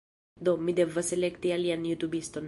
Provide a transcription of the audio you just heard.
Do, mi devas elekti alian jutubiston